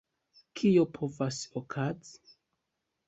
Kio povas okazi?